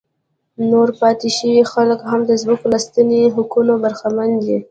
نور پاتې شوي خلک هم د ځمکو له سنتي حقونو برخمن دي.